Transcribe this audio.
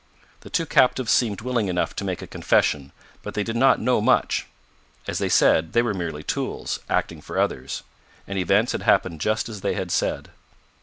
The two captives seemed willing enough to make a confession, but they did not know much. As they said, they were merely tools, acting for others. And events had happened just as they had said.